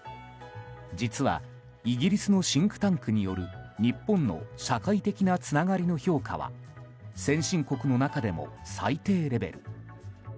実はイギリスのシンクタンクによる日本の社会的なつながりの評価は先進国の中でも最低レベル。